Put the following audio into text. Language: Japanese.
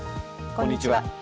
こんにちは。